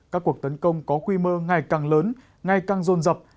các cuộc tấn công có quy mơ ngày càng lớn ngày càng rôn rập